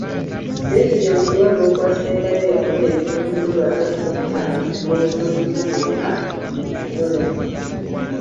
Besigye mu kulonda okwasembayo yafuna ebitundu asatu mu bitaano n’obutundutundu buna ku kikumi.